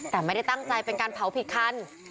แต่ไม่ได้ตั้งใจเป็นการเผาผิดคัน